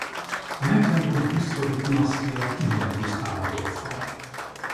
A mecklenburg-güstrowi dinasztia kihalt Gusztáv Adolffal.